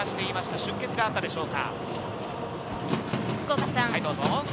出血があったでしょうか。